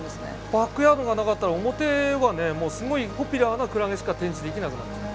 バックヤードがなかったら表はねすごいポピュラーなクラゲしか展示できなくなっちゃう。